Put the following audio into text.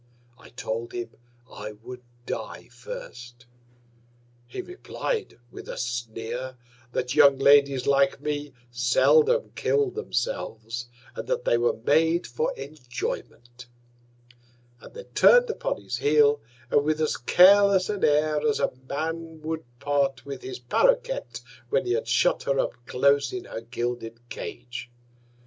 I told him, I would die first: He replied, with a Sneer, that young Ladies, like me, seldom kill'd themselves, and that they were made for Enjoyment; and then turn'd upon his Heel, with as careless an Air, as a Man would part with his Paroquet, when he had shut her up close in her gilded Cage.